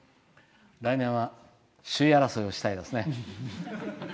来年は首位争いをしたいですね。